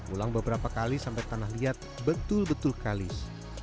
ulang beberapa kali sampai tanah liat betul betul kalis